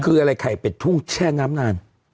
คืออะไรไข่เป็ดทุ่งแช่น้ำนาน